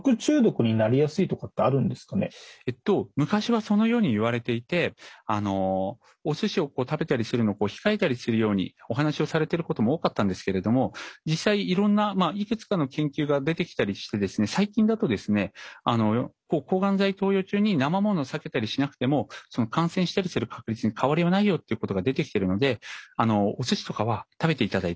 昔はそのようにいわれていてお寿司を食べたりするのを控えたりするようにお話をされてることも多かったんですけれども実際いろんないくつかの研究が出てきたりしてですね最近だとですね抗がん剤投与中になまものを避けたりしなくても感染したりする確率に変わりはないよっていうことが出てきているのでお寿司とかは食べていただいて大丈夫です。